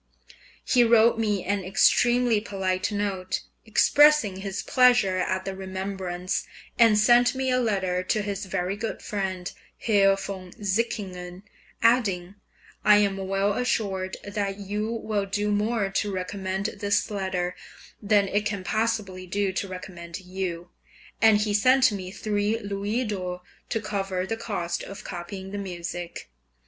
He wrote me an extremely polite note, expressing his pleasure at the remembrance, and sent me a letter to his very good friend, Herr von Sickingen, adding, "I am well assured that you will do more to recommend this letter, than it can possibly do to recommend you." And he sent me three louis d'or to cover the cost of copying the music.